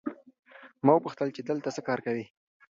ما وپوښتل چې دلته څه کار کوې؟